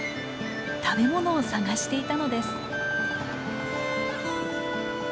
食べ物を探していたのです。